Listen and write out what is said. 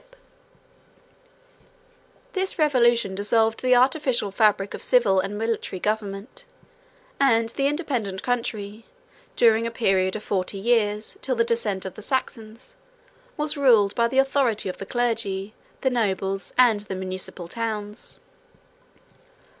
] This revolution dissolved the artificial fabric of civil and military government; and the independent country, during a period of forty years, till the descent of the Saxons, was ruled by the authority of the clergy, the nobles, and the municipal towns.